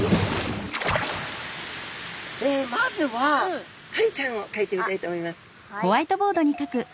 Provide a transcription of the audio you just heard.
まずはタイちゃんをかいてみたいと思います。